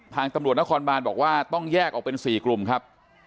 ทางตำรวจนครบานบอกว่าต้องแยกออกเป็น๔กลุ่มครับ